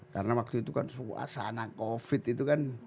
karena waktu itu kan suasana covid itu kan